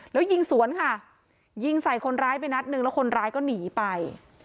แล้วยิงสวนค่ะยิงใส่คนร้ายไปนัดหนึ่งแล้วคนร้ายก็หนีไป